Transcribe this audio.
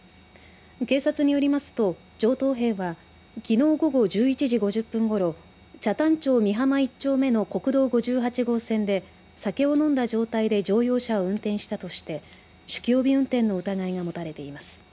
警察によりますと上等兵はきのう午後１１時５０分ごろ北谷町美浜１丁目の国道５８号線で酒を飲んだ状態で乗用車を運転したとして酒気帯び運転の疑いが持たれています。